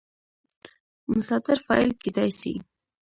مصدر فاعل کېدای سي.